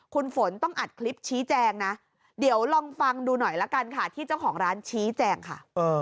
คุณฝนต้องอัดคลิปชี้แจงนะเดี๋ยวลองฟังดูหน่อยละกันค่ะที่เจ้าของร้านชี้แจงค่ะ